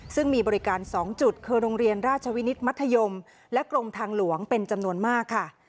ซึ่งมีบริการ๒จุดคือโรงเรียนราชวินิตมัธยมและกรมทางหลวงเป็นจำนวนมากค่ะ